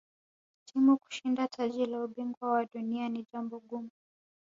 timu kushinda taji la ubingwa wa dunia ni jambo gumu